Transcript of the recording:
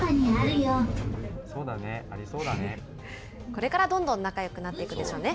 これからどんどん仲よくなっていくでしょうね。